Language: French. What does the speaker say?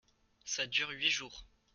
Ca dure huit jours !…